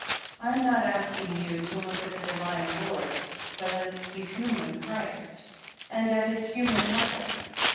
I am not asking you to look at the Divine Lord, but at the human Christ, and at His human Mother.